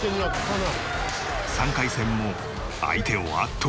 ３回戦も相手を圧倒。